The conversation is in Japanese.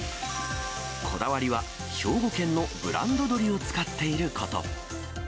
こだわりは兵庫県のブランド鶏を使っていること。